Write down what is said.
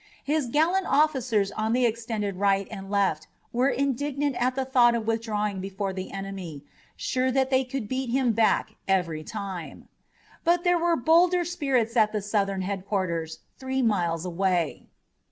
His gallant officers on the extended right and left were indignant at the thought of withdrawing before the enemy, sure that they could beat him back every time. But there were bolder spirits at the Southern headquarters, three miles away.